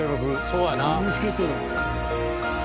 そうやな。